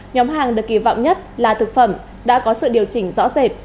nhóm hàng được kỳ vọng nhất là thực phẩm đã có sự điều chỉnh rõ rệt